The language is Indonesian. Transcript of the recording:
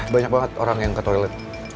banyak banget orang yang ke toilet